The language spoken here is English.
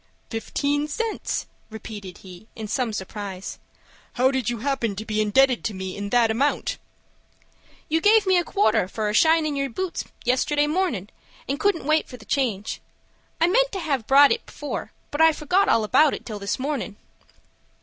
"Fifteen cents!" repeated he, in some surprise. "How do you happen to be indebted to me in that amount?" "You gave me a quarter for a shinin' your boots, yesterday mornin', and couldn't wait for the change. I meant to have brought it before, but I forgot all about it till this mornin'."